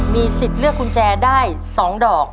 มีสิทธิ์เลือกกุญแจได้๒ดอก